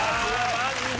マジで。